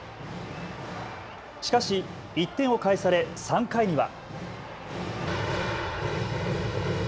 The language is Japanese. しかし１点を返され、３回には。